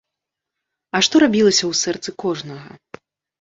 А што рабілася ў сэрцы кожнага?